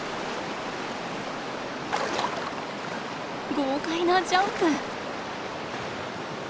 豪快なジャンプ！